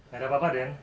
gak ada apa apa den